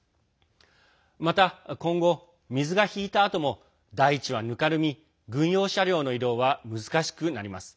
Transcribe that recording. また今後、水が引いたあとも大地はぬかるみ軍用車両の移動は難しくなります。